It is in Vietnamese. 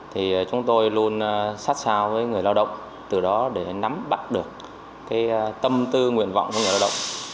thì chúng tôi luôn sát sao với người lao động từ đó để nắm bắt được tâm tư nguyện vọng của người lao động